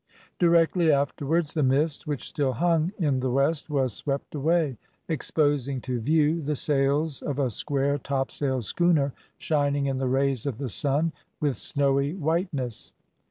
Directly afterwards the mist, which still hung in the west, was swept away, exposing to view the sails of a square topsail schooner shining in the rays of the sun with snowy whiteness.